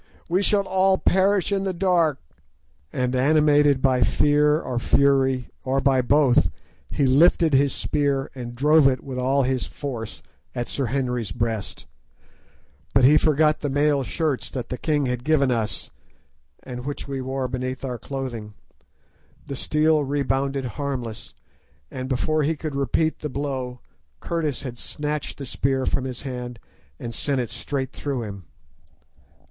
"We shall all perish in the dark," and animated by fear or fury, or by both, he lifted his spear and drove it with all his force at Sir Henry's breast. But he forgot the mail shirts that the king had given us, and which we wore beneath our clothing. The steel rebounded harmless, and before he could repeat the blow Curtis had snatched the spear from his hand and sent it straight through him.